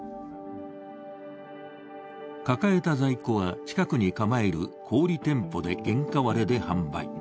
抱えた在庫は近くに構える小売り店舗で原価割れで販売。